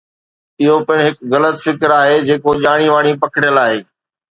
اهو پڻ هڪ غلط فڪر آهي جيڪو ڄاڻي واڻي پکڙيل آهي.